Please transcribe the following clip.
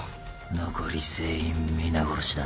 残り全員皆殺しだ